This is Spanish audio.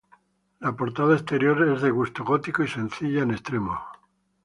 La portada exterior es de gusto gótico y sencilla en extremo.